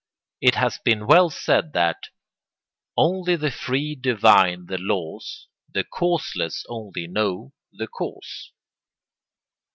It has been well said that Only the free divine the laws, The causeless only know the cause.